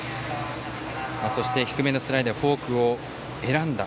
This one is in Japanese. そして、低めのスライダーフォークを選んだ。